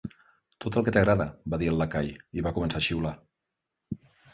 'Tot el que t'agrada', va dir el lacai, i va començar a xiular.